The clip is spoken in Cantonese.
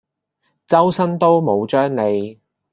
周身刀冇張利